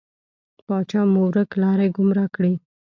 پاچا مو ورک لاری، ګمرا کړی.